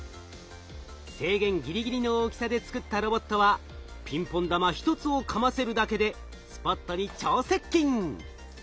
制限ぎりぎりの大きさで作ったロボットはピンポン玉１つをかませるだけでスポットに超接近。